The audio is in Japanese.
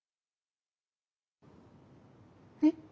えっ。